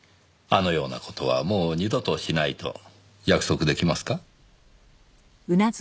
あのような事はもう二度としないと約束出来ますか？